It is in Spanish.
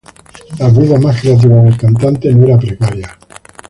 La vida más creativa del cantante no era precaria.